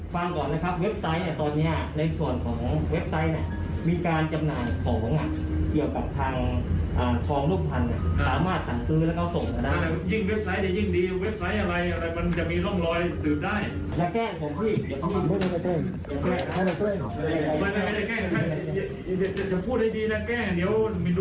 ฟังก่อนนะครับเว็บไซต์เนี่ยตอนเนี่ยในส่วนของเว็บไซต์เนี่ย